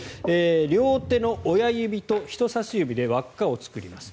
両手の親指と人差し指で輪っかを作ります。